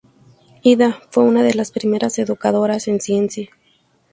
Ida fue una de las primeras educadoras en ciencia.